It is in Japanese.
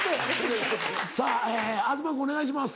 さぁ東君お願いします。